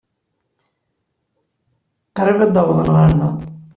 Qrib ad d-awḍen ɣer da.